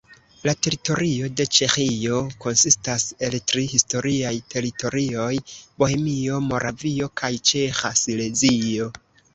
La teritorio de Ĉeĥio konsistas el tri historiaj teritorioj: Bohemio, Moravio kaj Ĉeĥa Silezio.